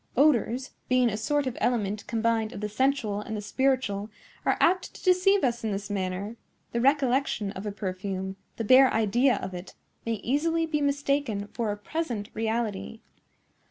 Odors, being a sort of element combined of the sensual and the spiritual, are apt to deceive us in this manner. The recollection of a perfume, the bare idea of it, may easily be mistaken for a present reality."